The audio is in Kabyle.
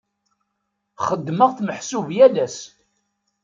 Xeddmeɣ-t meḥsub yal ass.